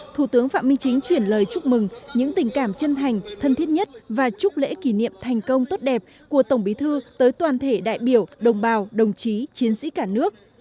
thủ tướng phạm minh chính chuyển lời chúc mừng những tình cảm chân thành thân thiết nhất và chúc lễ kỷ niệm thành công tốt đẹp của tổng bí thư tới toàn thể đại biểu đồng bào đồng chí chiến sĩ cả nước